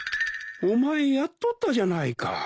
お前やっとったじゃないか。